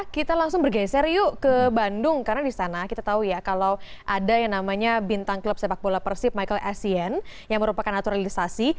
kita langsung bergeser yuk ke bandung karena di sana kita tahu ya kalau ada yang namanya bintang klub sepak bola persib michael essien yang merupakan naturalisasi